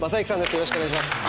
よろしくお願いします。